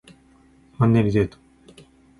マンネリデート